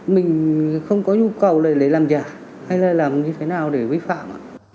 mình không có nhu cầu để lấy làm giả hay là làm như thế nào để vi phạm